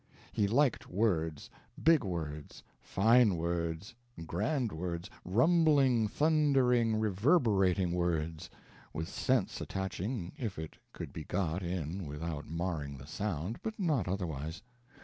He liked words big words, fine words, grand words, rumbling, thundering, reverberating words; with sense attaching if it could be got in without marring the sound, but not otherwise.